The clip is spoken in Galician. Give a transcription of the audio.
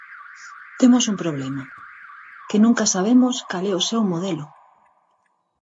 Temos un problema: que nunca sabemos cal é o seu modelo.